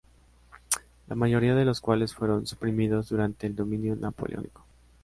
La mayoría de los cuales fueron suprimidos durante el dominio Napoleónico.